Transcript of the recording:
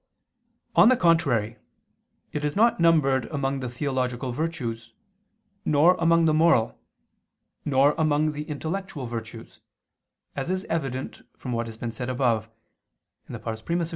On the contrary, It is not numbered among the theological virtues, nor among the moral, nor among the intellectual virtues, as is evident from what has been said above (I II, QQ.